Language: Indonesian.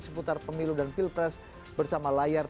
seputar pemilu dan pilpres bersama layar